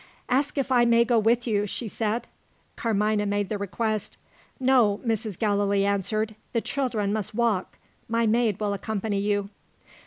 "Ask if I may go with you," she said. Carmina made the request. "No," Mrs. Gallilee answered, "the children must walk. My maid will accompany you."